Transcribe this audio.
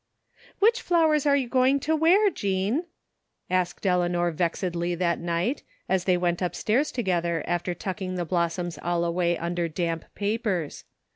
"Which flowers are you going to wear, Jean?" asked Eleanor vexedly that night, as they went up stairs together after tucking the blossoms all away imder damp papers.